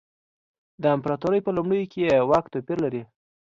د امپراتورۍ په لومړیو کې یې واک توپیر لري.